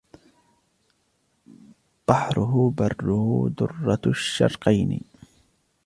بحره برّه درّة الشرقين